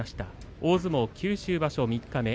大相撲九州場所三日目。